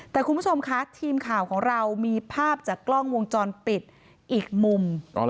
แต่คุณผู้ชมคะทีมข่าวของเรามีภาพจากกล้องวงจรปิดอีกมุม